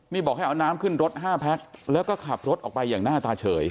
นี่บอกให้เอาน้ำขึ้นรถ๕แพ็คแล้วก็ขับรถออกไปอย่างหน้าตาเฉย